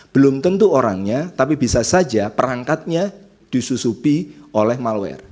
belum tentu orangnya tapi bisa saja perangkatnya disusupi oleh malware